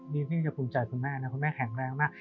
พี่จะภูมิใจคุณแม่นะคุณแม่แข็งแรงมาก